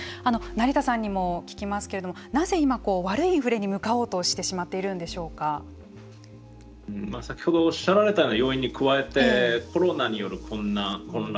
成田さんにも聞きますけれどもなぜ今、悪いインフレに向かおうとしてしまっているの先ほどおっしゃられたような要因に加えてコロナによる混乱